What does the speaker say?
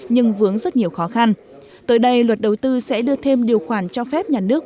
nhưng vướng rất nhiều khó khăn tới đây luật đầu tư sẽ đưa thêm điều khoản cho phép nhà nước